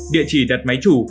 địa chỉ đặt máy chủ